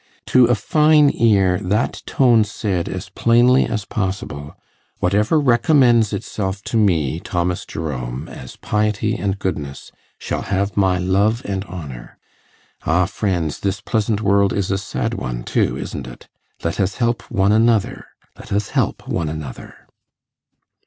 To a fine ear that tone said as plainly as possible 'Whatever recommends itself to me, Thomas Jerome, as piety and goodness, shall have my love and honour. Ah, friends, this pleasant world is a sad one, too, isn't it? Let us help one another, let us help one another.